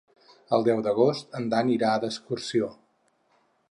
El deu d'agost en Dan irà d'excursió.